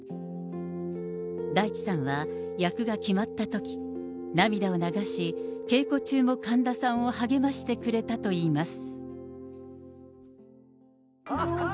大地さんは、役が決まったとき、涙を流し、稽古中も神田さんを励ましてくれたといいます。